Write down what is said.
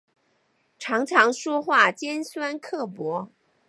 常常说话尖酸刻薄